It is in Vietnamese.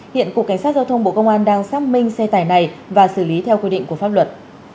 hiện cục cảnh sát giao thông bộ công an đang xác minh xe tải này và xử lý theo quy định của pháp luật